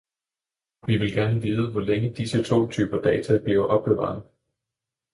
Vi vil gerne vide, hvor længe disse to typer data bliver opbevaret.